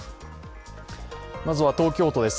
まずは東京都です。